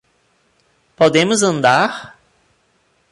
Podemos andar?